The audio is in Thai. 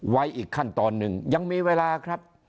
ไว้อีกขั้นตอนหนึ่งยังมีเวลาครับ